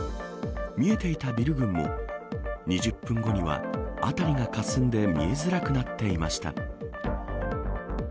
見えていたビル群も２０分後には辺りがかすんで見えづらくなっていました。